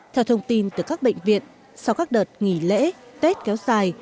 theo thông tin từ các bệnh viện sau các đợt nghỉ lễ tết kéo dài